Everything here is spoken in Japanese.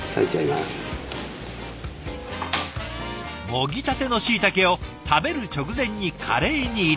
もぎたてのしいたけを食べる直前にカレーに入れる。